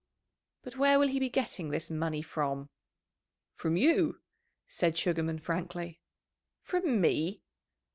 "But where will he be getting this money from?" "From you," said Sugarman frankly. "From me?"